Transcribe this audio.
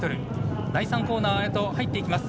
第３コーナーへと入っていきます。